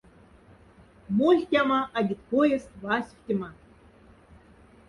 Мольхтяма агитпоездть васьфтема.